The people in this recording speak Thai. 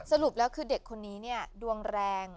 สรุปแล้วคือเด็กคนนี้เนี่ยดวงแรง